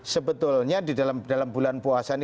sebetulnya di dalam bulan puasa ini